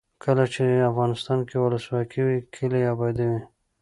کله چې افغانستان کې ولسواکي وي کلي اباد وي.